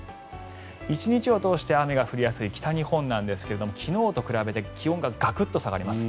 １日を通して雨が降りやすい北日本なんですが昨日と比べて気温がガクッと下がります。